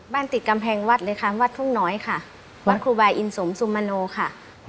ติดกำแพงวัดเลยค่ะวัดทุ่งน้อยค่ะวัดครูบาอินสมสุมโนค่ะ